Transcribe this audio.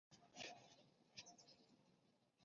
包含散货机。